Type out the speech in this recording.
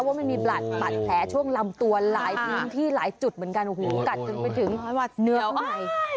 ว่ามันมีบาดแผลช่วงลำตัวหลายพื้นที่หลายจุดเหมือนกันโอ้โหกัดจนไปถึงเนื้อใหม่